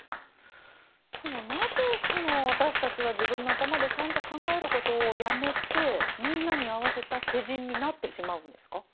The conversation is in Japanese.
でもなぜその私たちは自分の頭でちゃんと考えることをやめてみんなに合わせた世人になってしまうんですか？